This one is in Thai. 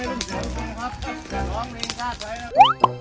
ลองดีชาติไทยนะครับ